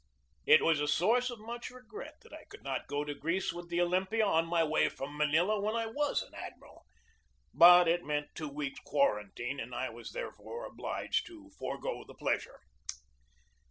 It was a source of much regret that I could not go to Greece with the Olympia on my way from Manila when I was an admiral, but it meant two weeks' quarantine, and I was there fore obliged to forego the pleasure.